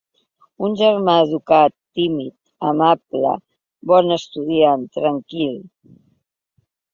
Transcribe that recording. Un germà educat, tímid, amable, bon estudiant, tranquil.